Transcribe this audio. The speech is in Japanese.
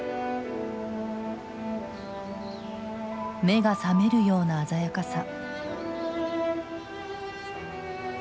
目が覚めるような鮮やかさ。